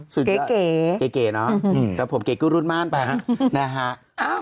สุดท้ายเก๋นะครับผมเก๋กุ้นรุ่นมากไปนะฮะ